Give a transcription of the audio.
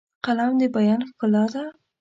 قلم د بیان ښکلا ده